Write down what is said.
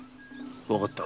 わかった。